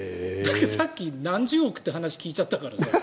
さっき何十億って話を聞いちゃったから。